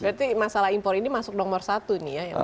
berarti masalah impor ini masuk nomor satu nih ya